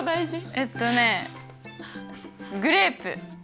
えっとねグレープ！